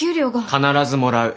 必ずもらう。